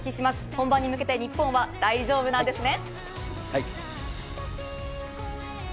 本番に向けて日本は大丈夫なんですね。